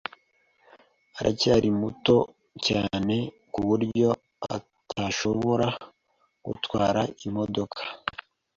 aracyari muto cyane kuburyo atashobora gutwara imodoka.